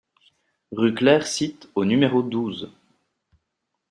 Rue Clair Site au numéro douze